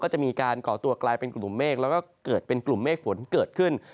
จะมีการก่อตัวกลายเป็นกลุ่มเมฆแล้วก็เกิดเป็นกลุ่มเมฆฝนเกิดขึ้น